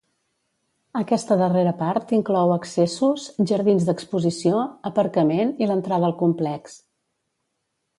Aquesta darrera part inclou accessos, jardins d'exposició, aparcament i l'entrada al complex.